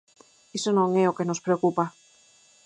Iso non é o que nós preocupa.